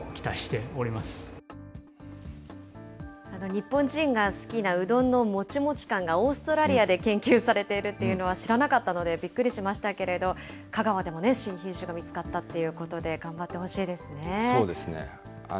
日本人が好きなうどんのもちもち感がオーストラリアで研究されているっていうのは知らなかったのでびっくりしましたけれど、香川でも新品種が見つかったっていうことで、頑張ってほしいですそうですね。